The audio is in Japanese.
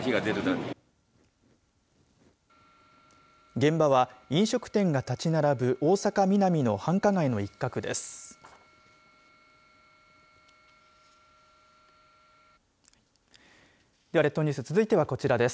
現場は飲食店が建ち並ぶ大阪、ミナミの繁華街の一角です。